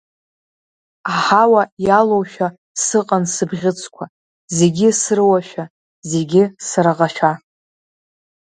Аҳауа иалоушәа сыҟан сыбӷьыцқәа, зегьы срыуашәа, зегьы сраӷашәа.